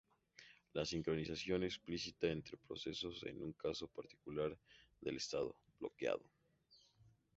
La sincronización explícita entre procesos es un caso particular del estado "bloqueado".